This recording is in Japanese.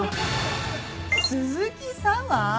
「鈴木砂羽」？